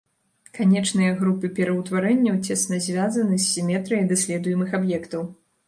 Канечныя групы пераўтварэнняў цесна звязаны з сіметрыяй даследуемых аб'ектаў.